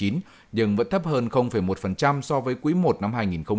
nhưng vẫn thấp hơn một so với quý i năm hai nghìn một mươi chín